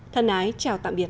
thân ái chào tạm biệt